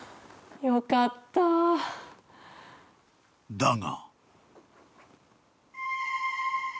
［だが］